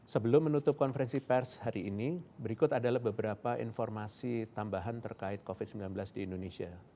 sebelum menutup konferensi pers hari ini berikut adalah beberapa informasi tambahan terkait covid sembilan belas di indonesia